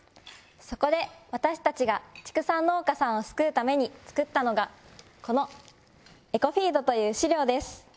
そこで私たちが畜産農家さんを救うために作ったのがこのエコフィードという飼料です。